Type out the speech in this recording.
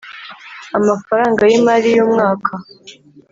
Amafaranga y imari y umwaka